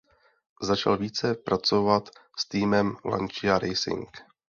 Začal více spolupracovat s týmem Lancia Racing.